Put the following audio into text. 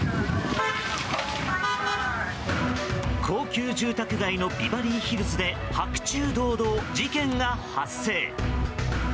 高級住宅街のビバリーヒルズで白昼堂々、事件が発生。